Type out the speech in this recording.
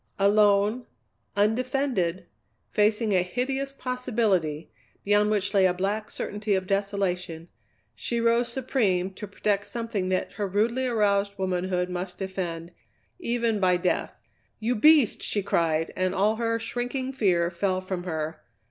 Alone, undefended, facing a hideous possibility, beyond which lay a black certainty of desolation, she rose supreme to protect something that her rudely aroused womanhood must defend, even by death! "You beast!" she cried, and all her shrinking fear fell from her.